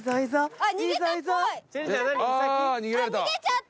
あっ逃げちゃった。